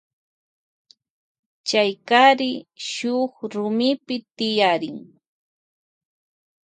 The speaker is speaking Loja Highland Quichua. Chay kari shuk rumipi tiyarin.